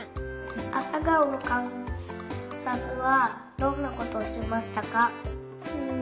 あさがおのかんさつはどんなことをしましたか。